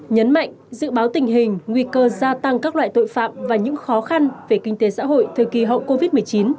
nhấn mạnh dự báo tình hình nguy cơ gia tăng các loại tội phạm và những khó khăn về kinh tế xã hội thời kỳ hậu covid một mươi chín